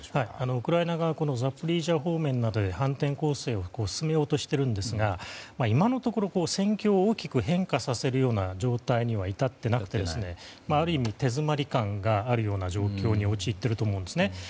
ウクライナ側はザポリージャ方面などへの反転攻勢を進めようとしていますが今のところ戦況を大きく変化させる状態には至っていなくてある意味、手詰まり感があるような状況に陥っていると思います。